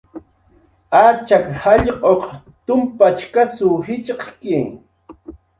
Achak jallq'uq tumpachkasw jitxqki